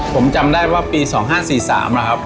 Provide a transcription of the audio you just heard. ผมจำได้ว่าปี๒๕๔๓นะครับ